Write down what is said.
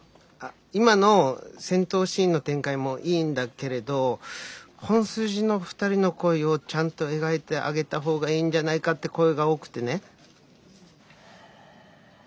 今の戦闘シーンの展開もいいんだけれど本筋の２人の恋をちゃんと描いてあげたほうがいいんじゃないかって声が多くてね。